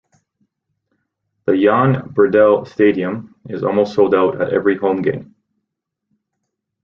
The Jan Breydel Stadium is almost sold out at every home game.